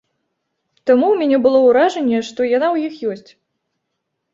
Таму ў мяне было ўражанне, што яна ў іх ёсць.